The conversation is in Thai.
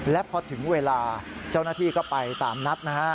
และพอถึงเวลาเจ้าหน้าที่ก็ไปตามนัดนะฮะ